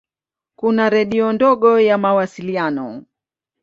Kuna redio ndogo ya mawasiliano.